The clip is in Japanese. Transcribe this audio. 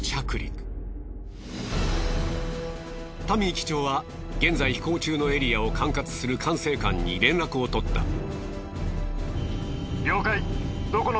タミー機長は現在飛行中のエリアを管轄する管制官に連絡をとった。